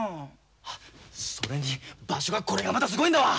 あっそれに場所がこれがまたすごいんだわ。